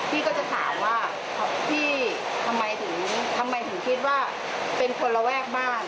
พี่ก็จะถามว่าพี่ทำไมถึงทำไมถึงคิดว่าเป็นคนระแวกบ้าน